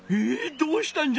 どうしたんじゃ？